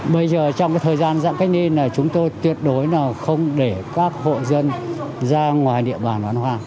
bây giờ trong thời gian dãn cách niên là chúng tôi tuyệt đối không để các hộ dân ra ngoài địa bàn hoàn hoa